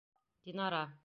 Динара.